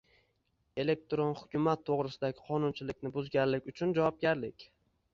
Elektron hukumat to‘g‘risidagi qonunchilikni buzganlik uchun javobgarlik